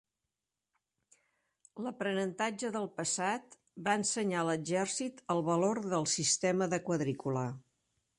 L'aprenentatge del passat va ensenyar a l'exèrcit el valor del sistema de quadrícula.